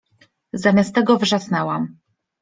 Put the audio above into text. Zamiast tego wrzasnęłam